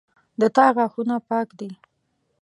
د تا غاښونه پاک دي